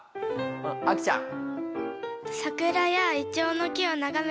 あきちゃん。